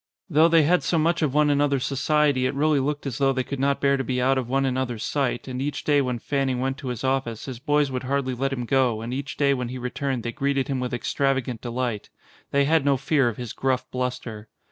Though they had so much of one an other's society it really looked as though they could not bear to be out of one another's sight, and each day when Fanning went to his office his boys would hardly let him go and each day when he returned they greeted him with extravagant delight. They had no fear of his gruff bluster.